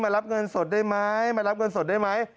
รับเงินสดได้ไหมมารับเงินสดได้ไหม